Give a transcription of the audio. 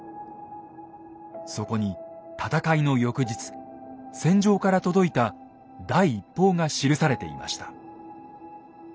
そこに戦いの翌日戦場から届いた第一報が記されていました。